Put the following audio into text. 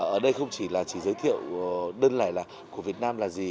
ở đây không chỉ là giới thiệu đơn lệ của việt nam là gì